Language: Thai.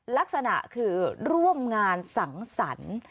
ลักษณะคือร่วมงานสังสรรค์